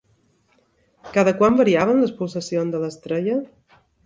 Cada quant variaven les pulsacions de l'estrella?